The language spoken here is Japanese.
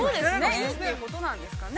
◆いいということなんですかね。